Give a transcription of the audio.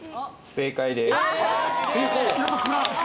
正解です。